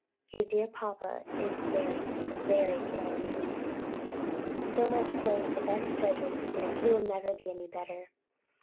Your dear papa is very, very ill indeed; so much so that the best judges fear that he will never be any better.